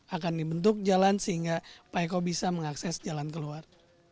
akan dibentuk jalan sehingga pak eko bisa mengakses jalan keluar